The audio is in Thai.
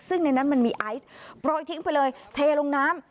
ซึ่งในนั้นมันมีไอซ์โปรยทิ้งไปเลยเทลงน้ำ